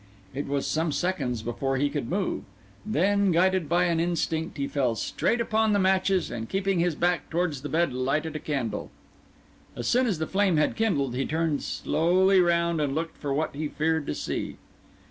It was some seconds before he could move. Then, guided by an instinct, he fell straight upon the matches, and keeping his back towards the bed lighted a candle. As soon as the flame had kindled, he turned slowly round and looked for what he feared to see.